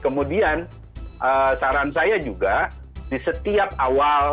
kemudian saran saya juga di setiap awal